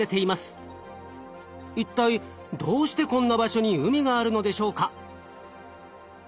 一体どうしてこんな場所に海があるのでしょうか？